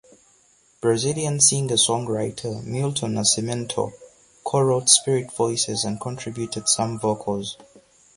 Brazilian singer-songwriter Milton Nascimento co-wrote "Spirit Voices" and contributed some vocals.